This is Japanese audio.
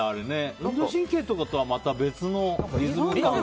運動神経とかとは別のリズム感。